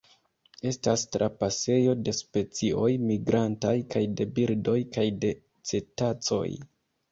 Estas trapasejo de specioj migrantaj kaj de birdoj kaj de cetacoj.